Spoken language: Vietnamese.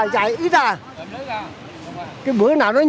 người đi cao rút theo từng giống